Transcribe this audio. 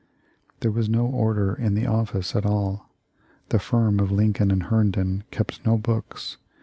"There was no order in the office at all. The firm of Lincoln and Herndon kept no books.